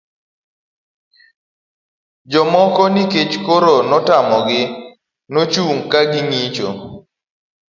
jomoko nikech koro notamogi, nochung' ka ng'icho